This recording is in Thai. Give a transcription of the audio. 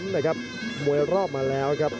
ทุกคนค่ะ